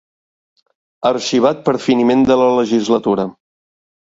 Arxivat per finiment de la legislatura.